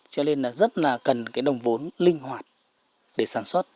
cho nên là rất là cần cái đồng vốn linh hoạt để sản xuất